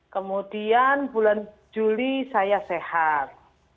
kemudian bulan juli saya sehat